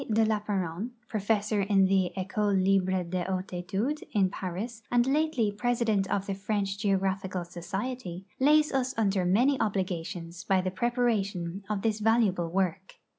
de Lapparent, ju ofessor in tlie Ecole libre de hcmtes etudes in Paris and lately jnesident of the French Geographical Society, lays us under many oldigations by the iireparation of this valuable work.